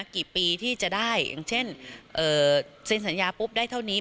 กี่ปีที่จะได้อย่างเช่นเซ็นสัญญาปุ๊บได้เท่านี้